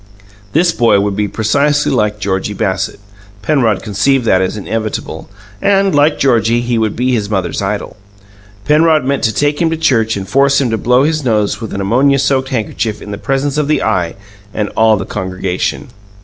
This boy would be precisely like Georgie Bassett Penrod conceived that as inevitable and, like Georgie, he would be his mother's idol. Penrod meant to take him to church and force him to blow his nose with an ammonia soaked handkerchief in the presence of the Eye and all the congregation.